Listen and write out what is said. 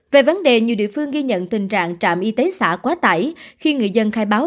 về vấn đề nhiều địa phương ghi nhận tình trạng trạm y tế xã quá tải khi người dân khai báo